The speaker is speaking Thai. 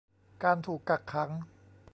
การถูกกักขัง